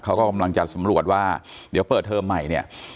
เขาก็กำลังจะสำรวจว่าเดี๋ยวเปิดเทอมใหม่เนี่ย